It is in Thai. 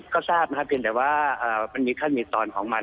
ก็ทราบนะครับเพียงแต่ว่ามันมีขั้นมีตอนของมัน